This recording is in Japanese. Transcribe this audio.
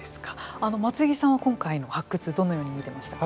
松木さんは、今回の発掘どのように見ていましたか。